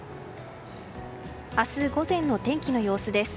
明日午前の天気の様子です。